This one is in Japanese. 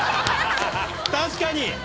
・確かに！